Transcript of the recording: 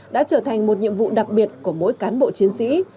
đã trở thành một nhiệm vụ đặc biệt của mỗi cán bộ chiến sĩ